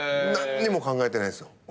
何も考えてないっすよ。